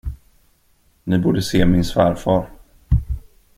Ni borde se min svärfar!